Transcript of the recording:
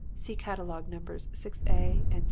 "(See Catalogue, Numbers 6A and 6B.)"